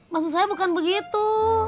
maksud saya bukan begitu